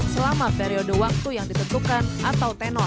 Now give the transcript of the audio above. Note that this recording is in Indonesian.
selama periode waktu yang ditentukan atau tenor